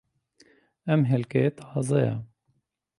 ئەم ھێلکەیە تازەیە.